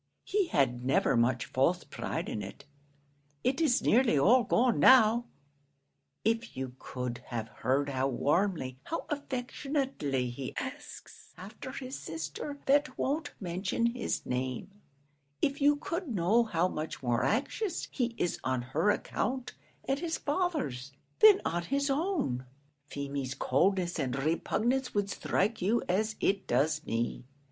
He had never much false pride in it it is nearly all gone now! If you could have heard how warmly, how affectionately he asks after the sister that won't mention his name; if you could know how much more anxious he is on her account and his father's, than on his own, Feemy's coldness and repugnance would strike you as it does me.